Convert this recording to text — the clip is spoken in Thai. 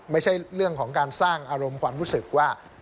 ไม่ใช่เรื่องของการสร้างอารมณ์ความรู้สึกว่า